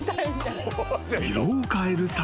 ［色を変える魚］